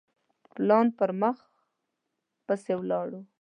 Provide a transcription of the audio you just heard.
پلان پر خپل مخ پسي ولاړ.